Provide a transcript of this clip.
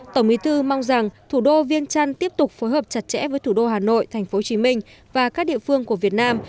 tổng bí thư mong rằng thủ đô viêng trăn tiếp tục phối hợp chặt chẽ với thủ đô hà nội tp hcm và các địa phương của việt nam